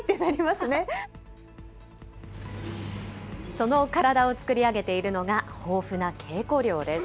その体を作り上げているのが、豊富な稽古量です。